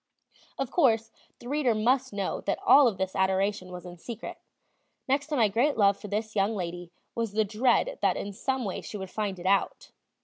Of course, the reader must know that all of this adoration was in secret; next to my great love for this young lady was the dread that in some way she would find it out.